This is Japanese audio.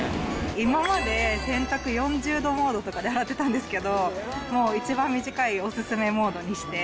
今まで洗濯、４０度モードとかで洗ってたんですけど、もう一番短いお勧めモードにして。